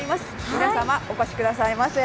皆様、お越しくださいませ。